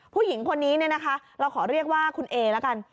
ผู้หญิงคนนี้เนี่ยนะคะเราขอเรียกว่าคุณเอละกัน